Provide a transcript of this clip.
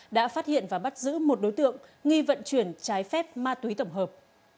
đã phát hiện và bắt giữ một đối tượng nghi vận chuyển trái phép ma túy tổng hợp